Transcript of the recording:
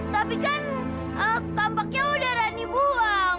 tapi kan tampaknya udah rani buang